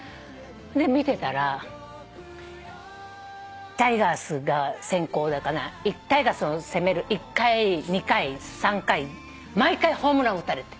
で見てたらタイガースが先攻でタイガースが攻める１回２回３回毎回ホームラン打たれて。